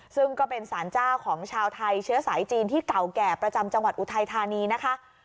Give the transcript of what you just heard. ซึ่งก็เป็นสารเจ้าของชาวไทยเชื้อสายจีนที่เก่าแก่ประจำจังหวัดอุทัยธานีนะคะ